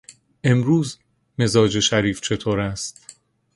امروز مزاج شریف چطور است؟